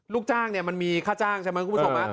ลูกจ้างเนี่ยมันมีค่าจ้างใช่มั้ยคุณผู้ชมนะ